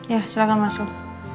ya silahkan masuk